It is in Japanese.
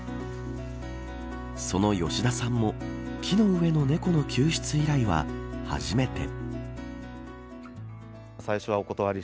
その吉田さんも木の上の猫の救出依頼は初めて。